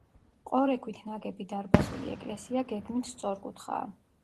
ყორექვით ნაგები დარბაზული ეკლესია გეგმით სწორკუთხაა.